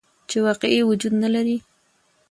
چې واقعي وجود نه لري.